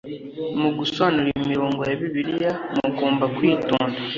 mugusobanura imirongo ya bibiriya mugomba kwitonda